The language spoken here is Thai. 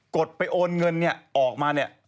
ดไปโอนเงินเนี่ยออกมาเนี่ย